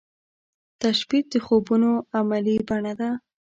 تشبث د خوبونو عملې بڼه ده